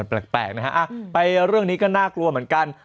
แปลกนะฮะไปเรื่องนี้ก็น่ากลัวเหมือนกัน